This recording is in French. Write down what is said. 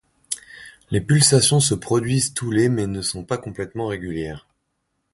Les pulsations se produisent tous les mais ne sont pas complètement régulières.